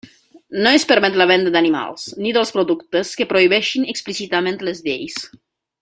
No es permet la venda d'animals, ni dels productes que prohibeixin explícitament les lleis.